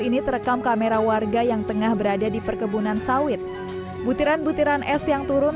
ini terekam kamera warga yang tengah berada di perkebunan sawit butiran butiran es yang turun